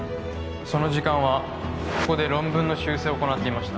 その時間はここで論文の修正を行っていました